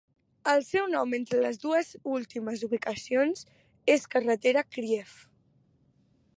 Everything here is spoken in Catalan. El seu nom entre les dues últimes ubicacions és carretera Crieff.